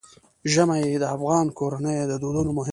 ژمی د افغان کورنیو د دودونو مهم عنصر دی.